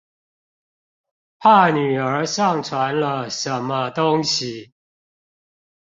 怕女兒上傳了什麼東西